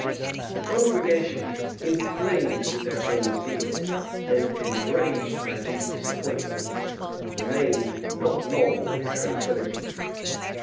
[] The congregation, inflamed with their own zeal, and enraged by these disappointments, remained not long in tranquillity.